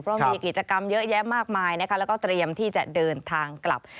เพราะมีกิจกรรมเยอะแยะมากมายนะคะแล้วก็เตรียมที่จะเดินทางกลับ